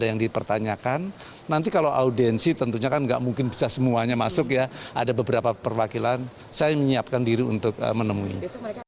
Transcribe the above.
yang dipertanyakan nanti kalau audiensi tentunya kan nggak mungkin bisa semuanya masuk ya ada beberapa perwakilan saya menyiapkan diri untuk menemuinya